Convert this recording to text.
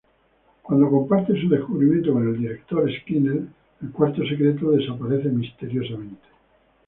Cuando comparte su descubrimiento con el director Skinner, el cuarto secreto desaparece misteriosamente.